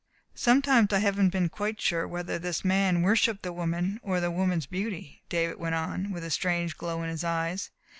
"Sometimes I haven't been quite sure whether this man worshipped the woman or the woman's beauty," David went on, with a strange glow in his eyes.